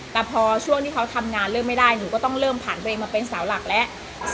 แต่พอช่วงที่เขาทำงานเริ่มไม่ได้หนูก็ต้องเริ่มผ่านตัวเองมาเป็นสาวหลักแล้ว